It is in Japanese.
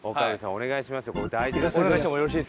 お願いしますよ。